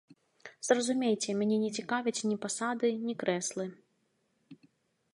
Зразумейце, мяне не цікавяць ні пасады, ні крэслы.